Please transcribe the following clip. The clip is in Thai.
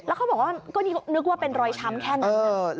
เขาบอกว่าก็นึกว่าเป็นรอยช้ำแค่นั้น